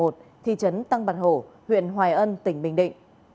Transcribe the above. thị trấn tăng bản hổ huyện hoài ân tỉnh bình định